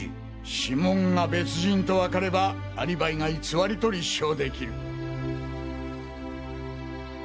指紋が別人と分かればアリバイが偽りと立証できる。